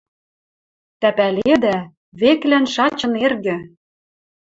«Тӓ пӓледӓ? Веклӓн шачын эргӹ...